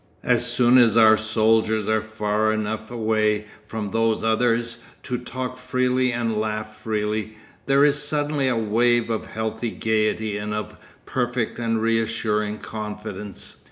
As soon as our soldiers are far enough away from those others to talk freely and laugh freely, there is suddenly a wave of healthy gaiety and of perfect and reassuring confidence.